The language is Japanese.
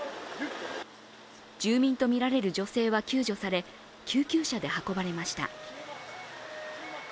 住民とみられる女性は救助され救急車で運ばれました。